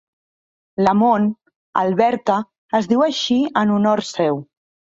Lamont, Alberta, es diu així en honor seu.